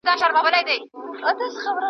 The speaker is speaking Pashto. ساقي بدل رندان روان سي میخانه پاته سی